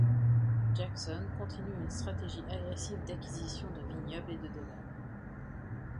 Jackson continue une stratégie agressive d'acquisition de vignobles et de domaines.